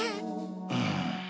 うん。